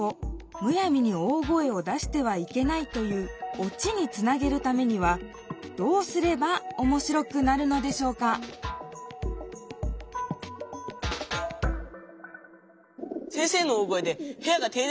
「むやみに大声を出してはいけない」という「落ち」につなげるためにはどうすればおもしろくなるのでしょうか先生の大声で部屋が停電しちゃうってのはどう？